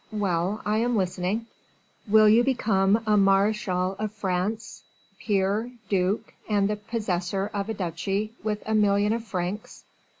"Well, I am listening." "Will you become a marechal of France, peer, duke, and the possessor of a duchy, with a million of francs?"